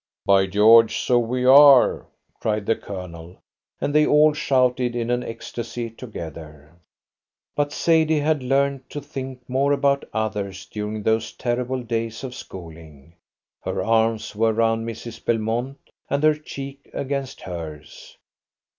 "By George, so we are!" cried the Colonel, and they all shouted in an ecstasy together. But Sadie had learned to think more about others during those terrible days of schooling. Her arms were round Mrs. Belmont, and her cheek against hers.